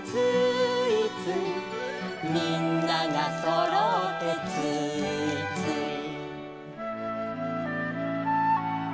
「みんながそろってつーいつい」